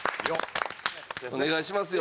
お願いしますよ。